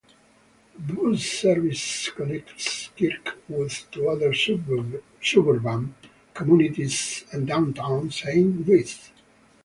Bus service connects Kirkwood to other suburban communities and downtown Saint Louis.